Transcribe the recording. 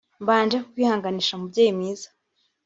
Mbanje kukwihanganisha mubyeyi mwiza